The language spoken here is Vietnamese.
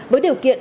với điều kiện